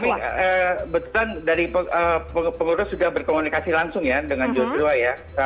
tapi betulan dari pengurus sudah berkomunikasi langsung ya dengan joshua ya